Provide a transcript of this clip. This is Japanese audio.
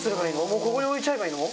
もうここに置いちゃえばいいの？